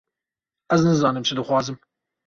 Ez nizanim çi dixwazim.